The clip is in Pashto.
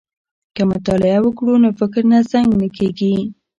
که مطالعه وکړو نو فکر نه زنګ کیږي.